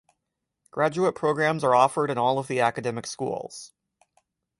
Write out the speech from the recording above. Graduate programs are offered in all of the academic schools.